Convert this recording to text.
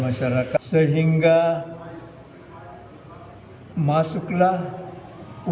melambangkan empat buah tiang yang berdiri